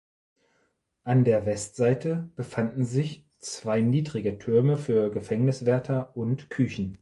An der Westseite befanden sich zwei niedrige Türme für Gefängniswärter und Küchen.